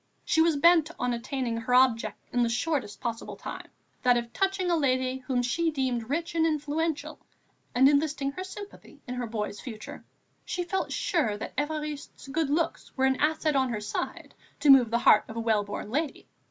She was bent on attaining her object in the shortest possible time, that of touching a lady whom she deemed rich and influential, and enlisting her sympathy in her boy's future. She felt sure that Évariste's good looks were an asset on her side to move the heart of a well born lady.